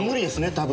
多分。